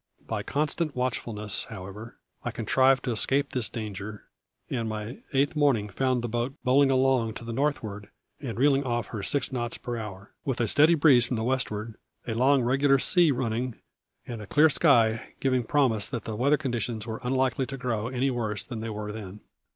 By constant watchfulness, however, I contrived to escape this danger, and my eighth morning found the boat bowling along to the northward and reeling off her six knots per hour, with a steady breeze from the westward, a long, regular sea running, and a clear sky giving promise that the weather conditions were unlikely to grow any worse than they were then.